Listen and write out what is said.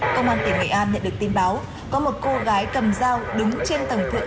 công an tỉnh nghệ an nhận được tin báo có một cô gái cầm dao đứng trên tầng thượng